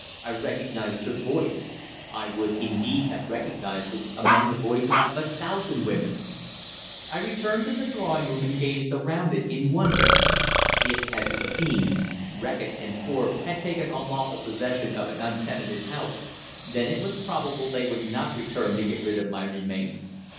I recognized her voice. I would, indeed, have recognized it among the voices of a thousand women. I returned to the drawing room, and gazed around it in wonder. If, as it seemed, Reckitt and Forbes had taken unlawful possession of an untenanted house, then it was probable they would not return to get rid of my remains.